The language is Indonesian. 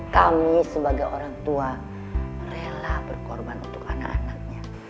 kami sebagai orang tua rela berkorban untuk anak anaknya